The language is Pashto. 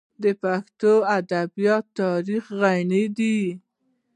د پښتو ادبیاتو تاریخ غني دی.